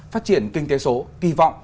phát triển kinh tế số kỳ vọng